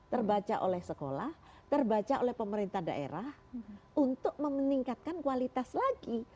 terbaca oleh sekolah terbaca oleh pemerintah daerah untuk meningkatkan kualitas lagi